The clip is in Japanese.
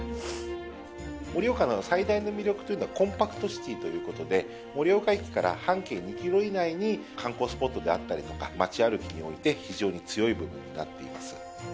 盛岡の最大の魅力というのは、コンパクトシティーということで、盛岡駅から半径２キロ以内に観光スポットであったりとか、街歩きにおいて、非常に強い部分になっています。